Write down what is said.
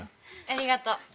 ありがとう。